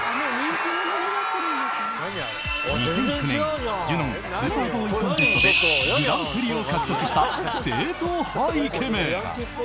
２００９年、ジュノン・スーパーボーイ・コンテストでグランプリを獲得した正統派イケメン。